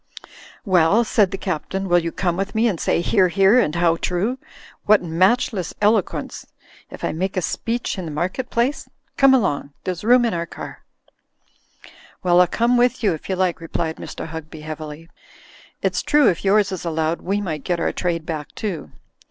"Well," said the Captain, "will you come with me and say *Hear, hear !' and *How true !'— What match less eloquence!' if I make a speech in the market 232 THE FLYING INN place? Come along! There's room in our car/' "Well, I'll come with you, if you like," replied Mr. Hugby, heavily. "It's true if yours is allowed we might get our trade back, too."